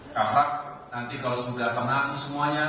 kak frak nanti kalau sudah tenang semuanya